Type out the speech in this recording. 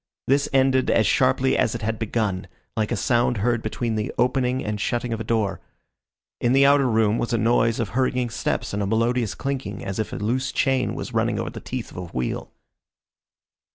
This ended as sharply as it had begun, like a sound heard between the opening and shutting of a door. In the outer room was a noise of hurrying steps and a melodious clinking as if a loose chain was running over the teeth of a wheel.